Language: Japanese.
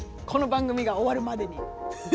この番組が終わるまでに。